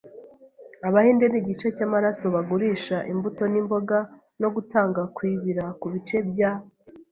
Abahinde nigice cyamaraso bagurisha imbuto n'imboga no gutanga kwibira kubice bya